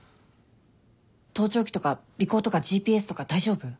盗聴器とか尾行とかＧＰＳとか大丈夫？